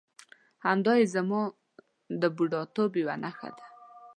همدایې زما د بوډاتوب یوه نښه ده.